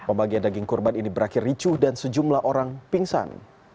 pembagian daging kurban ini berakhir ricuh dan sejumlah orang pingsan